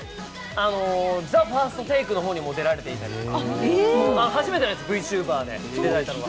「ＴＨＥＦＩＲＳＴＴＡＫＥ」の方にも出られていて、初めてなんです、ＶＴｕｂｅｒで出られたのは。